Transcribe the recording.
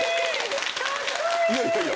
いやいやいや。